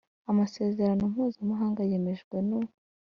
amasezerano mpuzamahanga yemejwe n u